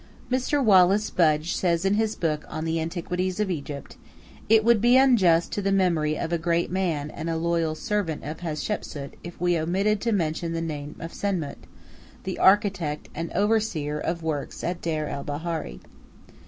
Mr. Wallis Budge says in his book on the antiquities of Egypt: "It would be unjust to the memory of a great man and a loyal servant of Hatshepsu, if we omitted to mention the name of Senmut, the architect and overseer of works at Deir el Bahari."